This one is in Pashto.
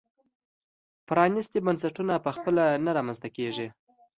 پرانیستي بنسټونه په خپله نه رامنځته کېږي.